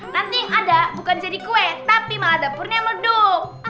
nanti ada bukan jadi kue tapi malah dapurnya medo